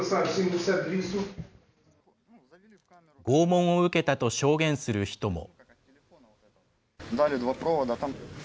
拷問を受けたと証言する人も。